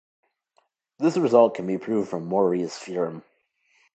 This result can be proved from Morera's theorem.